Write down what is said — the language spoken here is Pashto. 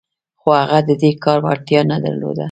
خو هغه د دې کار وړتیا نه درلوده